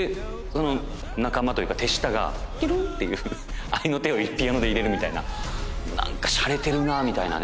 その仲間というか手下が「ピロン」っていう合いの手をピアノで入れるみたいななんかしゃれてるなみたいなね